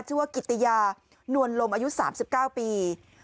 ชื่อว่ากิติยานวลลมอายุ๓๙ปี